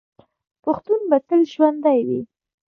پښتون به تل ژوندی وي.